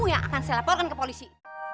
yang akan saya laporkan ke polisi